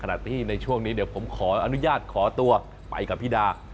ที่ในช่วงนี้เดี๋ยวผมขออนุญาตขอตัวไปกับพี่ดา